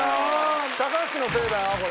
高橋のせいだよこれ。